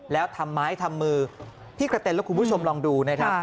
แล้วทำไม้ทำมือที่กระเต็นแล้วคุณผู้ชมลองดูนะครับ